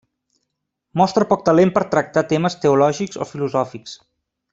Mostra poc talent per tractar temes teològics o filosòfics.